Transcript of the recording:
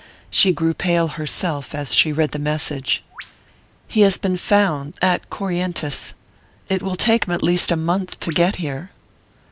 She grew pale herself as she read the message. "He has been found at Corrientes. It will take him at least a month to get here."